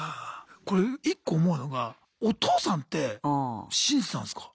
これ１個思うのがお父さんって信じてたんすか？